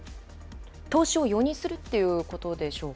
投資を容認するということでしょうか。